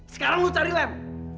sekarang lu cari lem